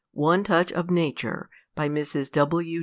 "] ONE TOUCH OF NATURE. BY MRS. W.